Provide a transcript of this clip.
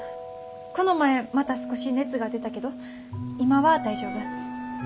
この前また少し熱が出たけど今は大丈夫。